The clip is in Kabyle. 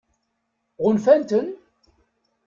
Ɣunfan-ten?